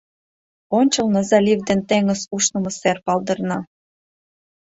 Ончылно залив ден теҥыз ушнымо сер палдырна.